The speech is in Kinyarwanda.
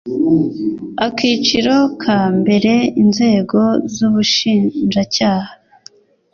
Akiciro ka mbere Inzego z Ubushinjacyaha